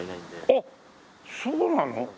あっそうなの。